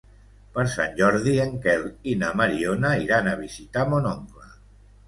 Per Sant Jordi en Quel i na Mariona iran a visitar mon oncle.